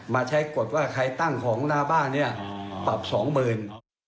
มาใช้กฎว่าใครตั้งของหน้าบ้านเนี่ยปรับสองหมื่น